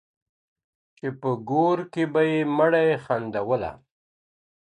چي په ګور کي به یې مړې خندوله.